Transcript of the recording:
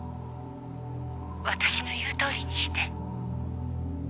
「私の言うとおりにして」